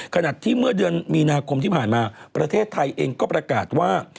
ขณะที่เมื่อเดือนมีนาคมที่ผ่านมาประเทศไทยเองก็ประกาศว่า